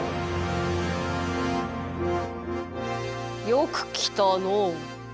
よくきたのう！